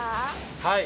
はい。